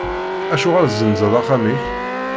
Acuɣer tezzenzeḍ axxam-ik?